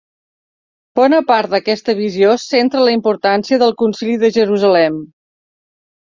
Bona part d'aquesta visió centra la importància del concili de Jerusalem.